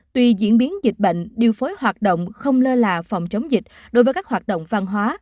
tuy diễn biến dịch bệnh điều phối hoạt động không lơ là phòng chống dịch đối với các hoạt động văn hóa